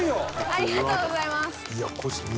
ありがとうございます。